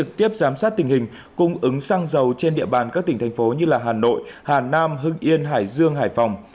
trực tiếp giám sát tình hình cung ứng xăng dầu trên địa bàn các tỉnh thành phố như hà nội hà nam hưng yên hải dương hải phòng